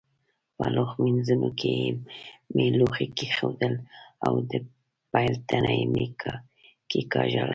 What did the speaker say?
په لوښ مینځوني کې مې لوښي کېښودل او د پیل تڼۍ مې کېکاږله.